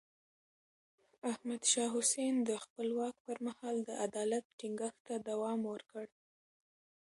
احمد شاه حسين د خپل واک پر مهال د عدالت ټينګښت ته دوام ورکړ.